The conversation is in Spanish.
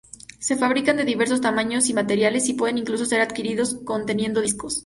Se fabrican de diversos tamaños y materiales y pueden incluso ser adquiridos conteniendo discos.